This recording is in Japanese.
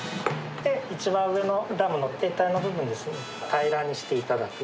で、一番上のダムの堤体の部分を平らにしていただく。